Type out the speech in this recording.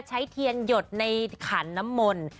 ใช้เทียนหยดในขันน้ำมนต์